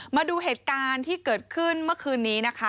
มาดูเหตุการณ์ที่เกิดขึ้นเมื่อคืนนี้นะคะ